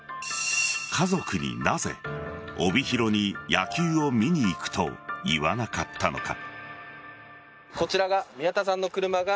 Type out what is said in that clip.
家族になぜ帯広に野球を見に行くと言わなかったのか。